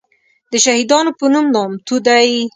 دشهیدانو په نوم نامتو دی.